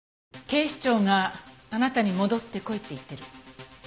警視庁があなたに戻ってこいって言ってる。